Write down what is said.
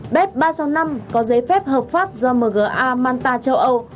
bếp ba trăm sáu mươi năm có giấy phép hợp pháp do mga manta châu âu